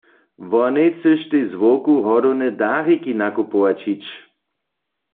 Wonej chcyštej z wowku hodowne dariki nakupować hić.